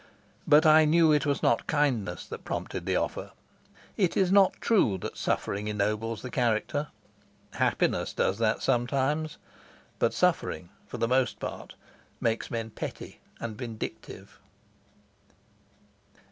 But I knew it was not kindness that prompted the offer. It is not true that suffering ennobles the character; happiness does that sometimes, but suffering, for the most part, makes men petty and vindictive.